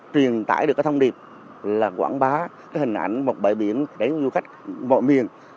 truyền tải được cái thông điệp là quảng bá cái hình ảnh một bãi biển đến du khách mọi miền